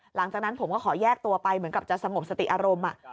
หลังจากนั้นผมก็ขอแยกตัวไปเหมือนกับจะสงบสติอารมณ์